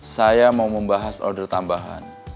saya mau membahas order tambahan